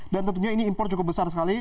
dan tentunya ini impor cukup besar sekali